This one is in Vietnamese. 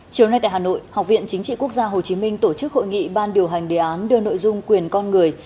chiều nay tại hà nội học viện chính trị quốc gia hồ chí minh tổ chức hội nghị ban điều hành đề án đưa nội dung quyền con người